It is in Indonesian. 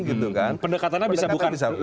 pendekatannya bisa bukan